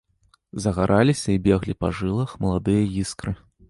Загараліся і беглі па жылах маладыя іскры.